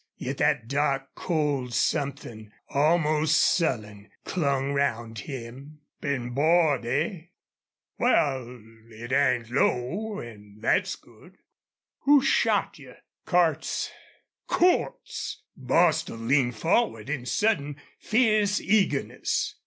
Yet that dark cold something, almost sullen clung round him. "Been bored, eh? Wal, it ain't low, an' thet's good. Who shot you?" "Cordts." "CORDTS!" Bostil leaned forward in sudden, fierce eagerness.